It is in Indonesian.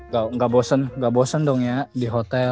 ga bosen ga bosen dong ya di hotel